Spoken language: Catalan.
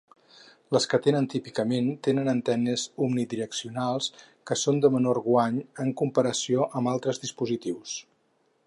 Les que tenen típicament tenen antenes omnidireccionals que són de menor guany en comparació amb altres dispositius.